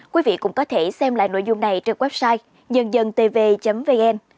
quý vị cũng có thể xem lại nội dung này trên website dândontv vn